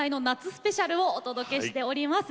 スペシャルをお届けしております。